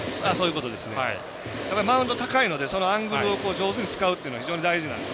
ただ、マウンド高いのでそのアングルを上手に使うというのは非常に大事なんです。